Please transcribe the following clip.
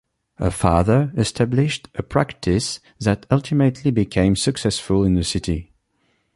Her father established a practice that ultimately became successful in the city.